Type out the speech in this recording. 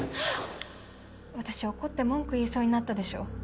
私怒って文句言いそうになったでしょ？